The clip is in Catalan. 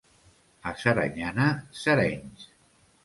A Saranyana, serenys.